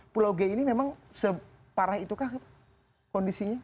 pulau g ini memang separah itukah kondisinya